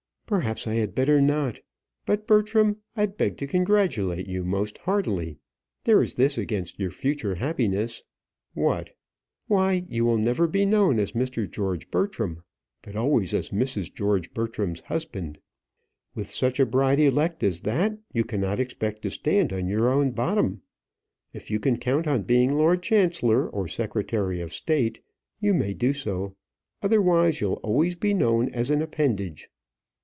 "Perhaps I had better not. But, Bertram, I beg to congratulate you most heartily. There is this against your future happiness " "What?" "Why, you will never be known as Mr. George Bertram; but always as Mrs. George Bertram's husband. With such a bride elect as that, you cannot expect to stand on your own bottom. If you can count on being lord chancellor, or secretary of state, you may do so; otherwise, you'll always be known as an appendage."